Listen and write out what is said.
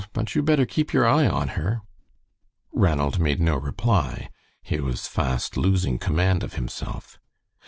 But you better keep your eye on her." Ranald made no reply. He was fast losing command of himself.